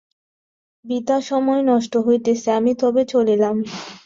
বৃথা সময় নষ্ট হইতেছে–আমি তবে চলিলাম।